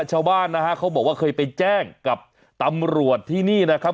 ชาวบ้านนะฮะเขาบอกว่าเคยไปแจ้งกับตำรวจที่นี่นะครับ